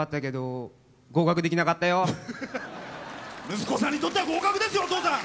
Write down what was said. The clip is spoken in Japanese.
息子さんにとっては合格ですよお父さん。